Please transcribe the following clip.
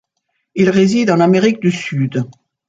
Ils résident en Amérique du Sud.